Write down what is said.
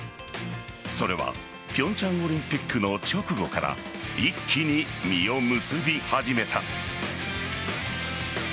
それは平昌オリンピックの直後から一気に実を結び始めた。